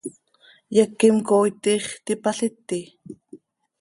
¿Yequim cooit tiix tipaliti?